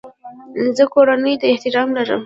زه کورنۍ ته احترام لرم.